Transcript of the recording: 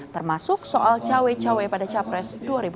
termasuk soal cawe cawe pada capres dua ribu dua puluh